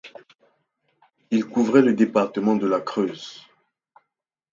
Il couvrait le département de la Creuse.